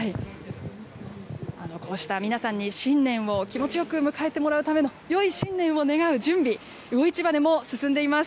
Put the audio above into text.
こうした皆さんに、新年を気持ちよく迎えてもらうための、よい新年を願う準備、魚市場でも進んでいます。